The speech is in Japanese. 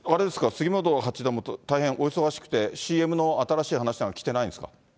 杉本八段も大変お忙しくて、ＣＭの新しい話なんか来てないんですか？